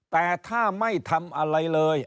แต่ถ้าไม่ทำอะไรเลย